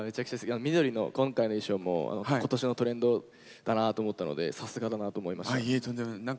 緑の今回の衣装も今年のトレンドなのでさすがだなと思いました。